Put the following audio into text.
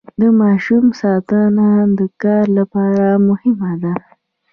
د ماشوم ساتنه د کار لپاره مهمه ده.